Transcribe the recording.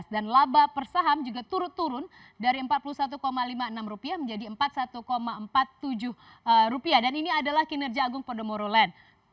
dan laba persaham juga turun turun dari empat puluh satu lima puluh enam rupiah menjadi empat puluh satu empat puluh tujuh rupiah dan ini adalah kinerja agung podomoro land